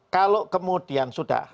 kalau kemudian sudah